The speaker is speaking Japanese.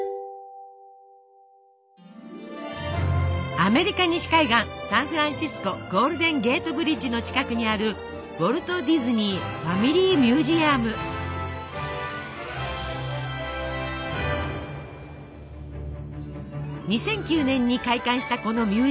アメリカ西海岸サンフランシスコゴールデン・ゲート・ブリッジの近くにある２００９年に開館したこのミュージアム。